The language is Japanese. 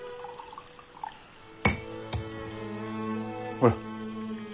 ほら。